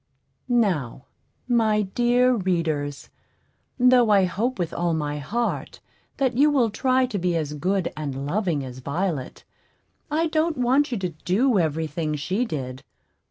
Now, my dear readers, though I hope with all my heart that you will try to be as good and loving as Violet, I don't want you to do every thing she did.